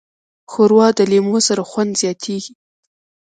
ښوروا د لیمو سره خوند زیاتیږي.